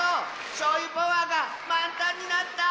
しょうゆパワーがまんタンになった！